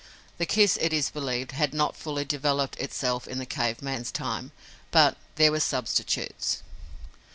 The kiss, it is believed, had not fully developed itself in the cave man's time, but there were substitutes.